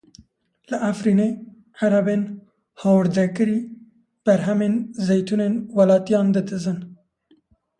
Li Efrînê Erebên hawirdekirî berhemên zeytûnên welatiyan didizin.